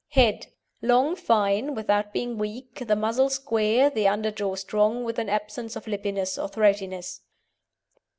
HEAD Long, fine, without being weak, the muzzle square, the underjaw strong with an absence of lippiness or throatiness.